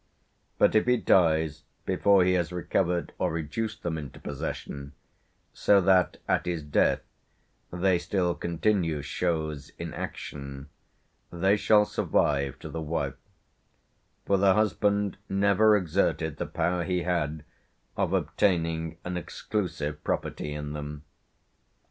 But, if he dies before he has recovered or reduced them into possession, so that, at his death, they still continue choses in action, they shall survive to the wife; for the husband never exerted the power he had of obtaining an exclusive property in them.